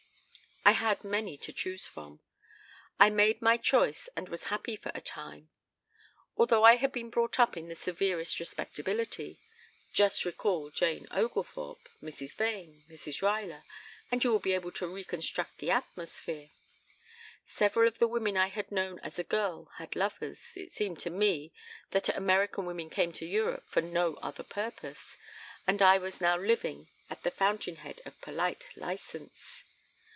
I had many to choose from. I made my choice and was happy for a time. Although I had been brought up in the severest respectability just recall Jane Oglethorpe, Mrs. Vane, Mrs. Ruyler, and you will be able to reconstruct the atmosphere several of the women I had known as a girl had lovers, it seemed to me that American women came to Europe for no other purpose, and I was now living at the fountain head of polite license.